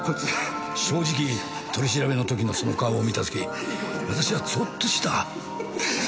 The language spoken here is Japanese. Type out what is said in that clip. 正直取り調べの時のその顔を見た時私はゾッとした。